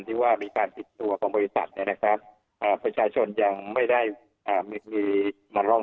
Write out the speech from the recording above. ที่ว่ามีการติดตัวของบริษัทผู้ชายชนยังไม่ได้มีมาร้อง